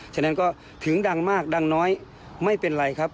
ฉะนั้นก็ถึงดังมากดังน้อยไม่เป็นไรครับ